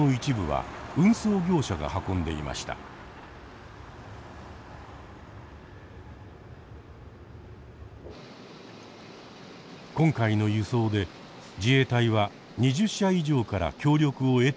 今回の輸送で自衛隊は２０社以上から協力を得ていたといいます。